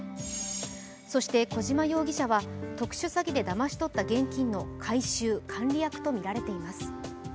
そして小島容疑者は特殊詐欺でだまし取った現金の回収・管理役とみられています。